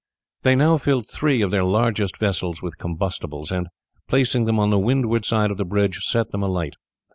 They now filled three of their largest vessels with combustibles, and placing them on the windward side of the bridge, set them alight.